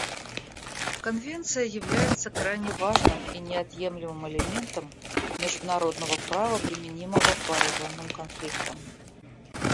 Конвенция является крайне важным и неотъемлемым элементом международного права, применимого к вооруженным конфликтам.